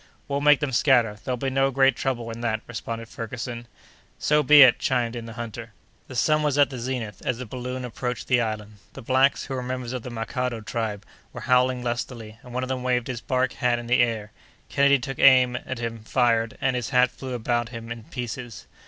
"We'll make them scatter; there'll be no great trouble in that," responded Ferguson. "So be it," chimed in the hunter. The sun was at the zenith as the balloon approached the island. The blacks, who were members of the Makado tribe, were howling lustily, and one of them waved his bark hat in the air. Kennedy took aim at him, fired, and his hat flew about him in pieces.